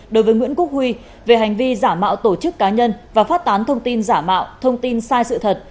đối với nguyễn quốc huy về hành vi giả mạo tổ chức cá nhân và phát tán thông tin giả mạo thông tin sai sự thật